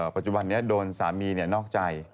ปัจจุบันนี้โดนสามีนอกใจ